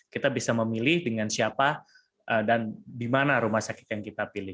kita bisa memilih dengan siapa dan di mana rumah sakit yang kita pilih